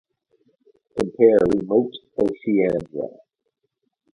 Compare Remote Oceania.